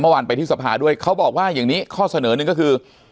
เมื่อวานไปที่สภาด้วยเขาบอกว่าอย่างนี้ข้อเสนอหนึ่งก็คือ